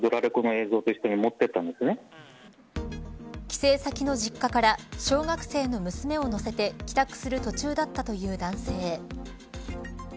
帰省先の実家から小学生の娘を乗せて帰宅する途中だったという男性。